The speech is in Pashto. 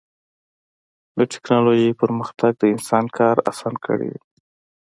د ټکنالوجۍ پرمختګ د انسان کار اسان کړی دی.